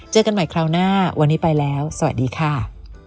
เจอกันใหม่คราวหน้าวันนี้ไปแล้วสวัสดีค่ะ